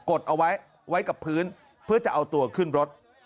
ดเอาไว้ไว้กับพื้นเพื่อจะเอาตัวขึ้นรถ